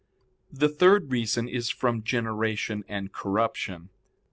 The third reason is from generation and corruption.